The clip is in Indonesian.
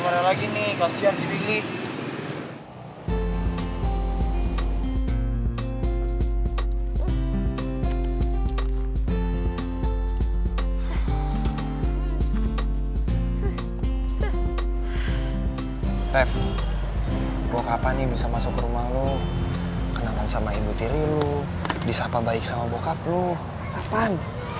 rev gue kapan nih bisa masuk ke rumah lo kenangan sama ibu tiri lo disapa baik sama bokap lo kapan